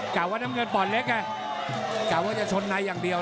ว่าน้ำเงินปอดเล็กไงกะว่าจะชนในอย่างเดียว